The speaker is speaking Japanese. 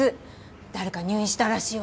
誰か入院したらしいわよ。